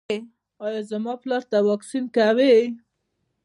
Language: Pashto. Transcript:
ایا زما پلار ته واکسین کوئ؟